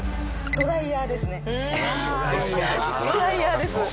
ドライヤーです。